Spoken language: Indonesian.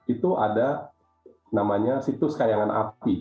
itu ada namanya situs kayangan api